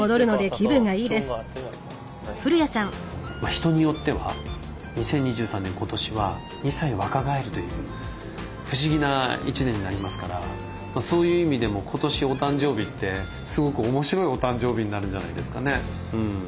人によっては２０２３年今年は２歳若返るという不思議な１年になりますからそういう意味でも今年お誕生日ってすごく面白いお誕生日になるんじゃないですかね。